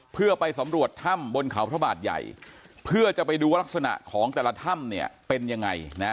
เพื่อไปสำรวจถ้ำบนเขาพระบาทใหญ่เพื่อจะไปดูว่ารักษณะของแต่ละถ้ำเนี่ยเป็นยังไงนะ